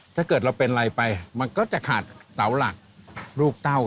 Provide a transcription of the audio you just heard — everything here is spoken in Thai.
ถ้าเกิดเราเป็นอะไรไปมันก็จะขาดเสาหลักลูกเต้า